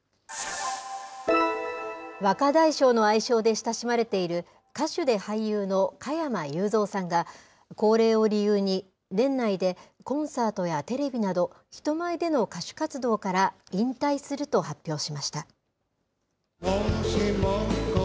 若大将の愛称で親しまれている、歌手で俳優の加山雄三さんが、高齢を理由に、年内でコンサートやテレビなど、人前での歌手活動から引退すると発表しました。